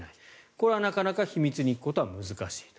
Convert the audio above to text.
これはなかなか秘密裏に行くことは難しいと。